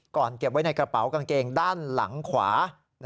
เก็บไว้ในกระเป๋ากางเกงด้านหลังขวา